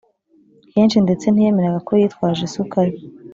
kenshi ndetse, ntiyemeraga ko yitwaje isuka ye,